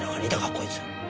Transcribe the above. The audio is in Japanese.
こいつ。